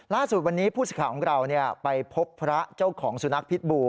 ล่าสุดวันนี้ผู้สิทธิ์ของเราไปพบพระเจ้าของสุนัขพิษบู